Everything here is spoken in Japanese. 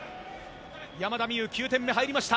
山田美諭、９点目入りました。